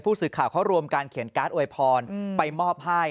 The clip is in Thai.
สื่อข่าวเขารวมการเขียนการ์ดอวยพรไปมอบให้